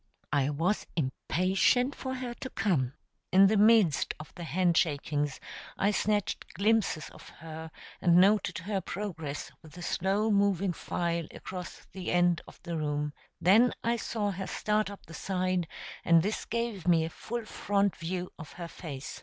I was impatient for her to come. In the midst of the hand shakings I snatched glimpses of her and noted her progress with the slow moving file across the end of the room; then I saw her start up the side, and this gave me a full front view of her face.